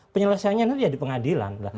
penyelesaiannya nanti ya di pengadilan